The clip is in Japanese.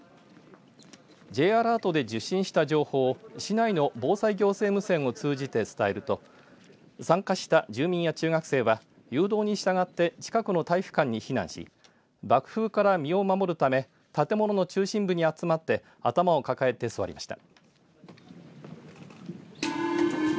Ｊアラートで受信した情報を市内の防災行政無線を通じて伝えると参加した住民や中学生は誘導に従って近くの体育館に避難し爆風から身を守るため建物の中心部に集まって頭を抱えて座りました。